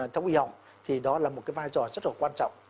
trong uy học thì đó là một vai trò rất là quan trọng